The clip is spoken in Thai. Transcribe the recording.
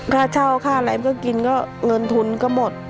ค่าเช่าค่าอะไรมันก็กินก็เงินทุนก็หมด